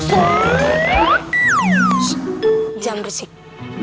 shhh jangan bersih